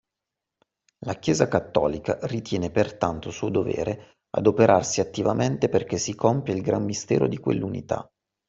La chiesa cattolica ritiene pertanto suo dovere adoperarsi attivamente perché si compia il gran mistero di quell’unità